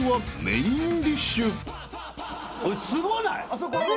すごない？